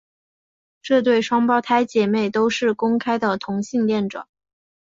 这对双胞胎姐妹都是公开的同性恋者。